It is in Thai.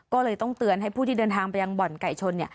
ก็เลยต้องเตือนให้ผู้ที่เดินทางไปยังบ่อนไก่ชน